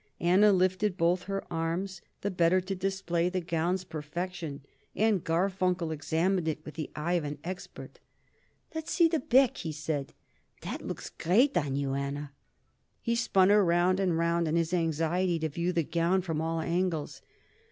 Anna lifted both her arms the better to display the gown's perfection, and Garfunkel examined it with the eye of an expert. "Let's see the back," he said. "That looks great on you, Anna." He spun her round and round in his anxiety to view the gown from all angles.